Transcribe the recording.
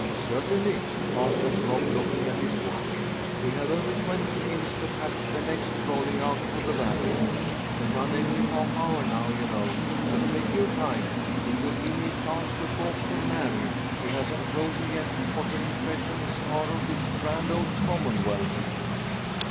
"Certainly," answered Rob, looking at his watch. "We have over twenty minutes to catch the next trolley out to the Valley. They run every half hour now, you know. So take your time. It will give me a chance to talk to Mary. She hasn't told me yet what her impressions are of this grand old Commonwealth."